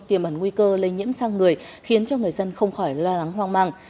tiềm ẩn nguy cơ lây nhiễm sang người khiến cho người dân không khỏi lo lắng hoang mang